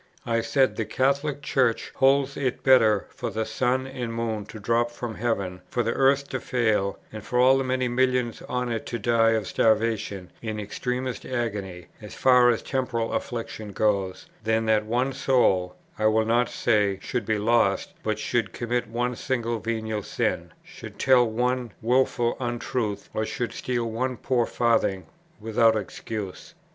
I said, "The Catholic Church holds it better for the sun and moon to drop from heaven, for the earth to fail, and for all the many millions on it to die of starvation in extremest agony, as far as temporal affliction goes, than that one soul, I will not say, should be lost, but should commit one single venial sin, should tell one wilful untruth, or should steal one poor farthing without excuse."